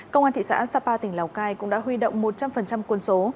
công an thị xã sapa tỉnh lào cai cũng đã huy động một trăm linh quân số